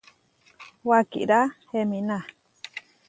Wakirá heminá.